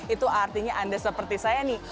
itu artinya anda seperti saya nih